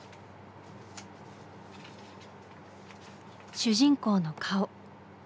主人公の顔。